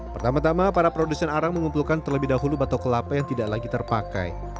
pertama tama para produsen arang mengumpulkan terlebih dahulu batok kelapa yang tidak lagi terpakai